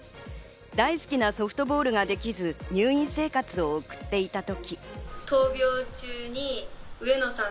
大好きなソフトボールができず入院生活を送っていた時。